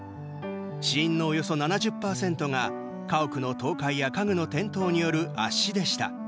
死因のおよそ７０％が家屋の倒壊や家具の転倒による圧死でした。